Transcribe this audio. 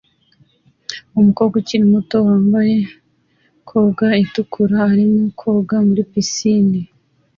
Umukobwa ukiri muto wambaye koga itukura arimo koga muri pisine